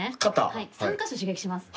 ３カ所刺激します。